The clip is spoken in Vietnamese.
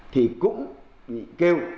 thì cũng kêu